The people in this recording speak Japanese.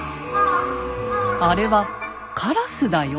「あれはカラスだよ」。